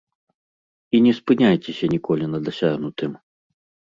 І не спыняйцеся ніколі на дасягнутым.